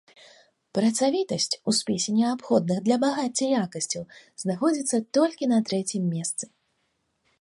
Працавітасць у спісе неабходных для багацця якасцяў знаходзіцца толькі на трэцім месцы.